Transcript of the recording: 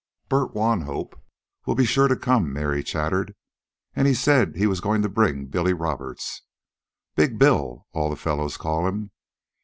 "Bert Wanhope'll be sure to come," Mary chattered. "An' he said he was going to bring Billy Roberts 'Big Bill,' all the fellows call him.